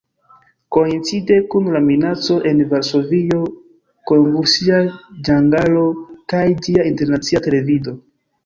Koincide kun la minaco en Varsovio konvulsias Ĝangalo kaj ĝia Internacia Televido.